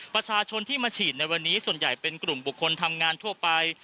ประชาชนที่มาฉีดในวันนี้ส่วนใหญ่เป็นกลุ่มบุคคลทำงานทั่วไป